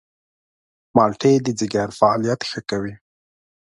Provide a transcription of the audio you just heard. مالټې د ځيګر فعالیت ښه کوي.